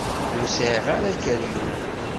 Ur sɛiɣ ara akeryun.